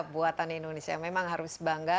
buatan indonesia memang harus bangga